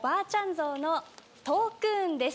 ゾウのトークーンです。